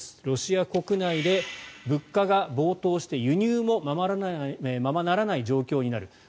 ロシア国内で物価が暴騰して輸入もままならない状況になる。